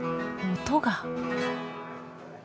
音が。